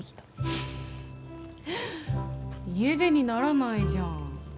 フフッ家出にならないじゃん